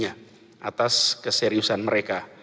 atas keseriusan mereka